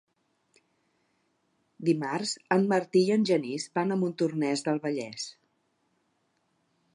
Dimarts en Martí i en Genís van a Montornès del Vallès.